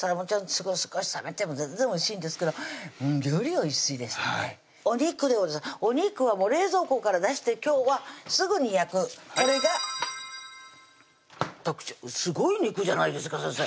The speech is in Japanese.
少し冷めても全然おいしいんですけどよりおいしいですねお肉でございますお肉はもう冷蔵庫から出して今日はすぐに焼くこれが特徴すごい肉じゃないですか先生